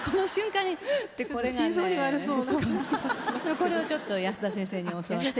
これをちょっと安田先生に教わって。